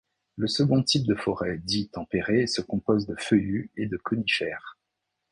Le second type de forêt dit tempéré se compose de feuillus et de conifères.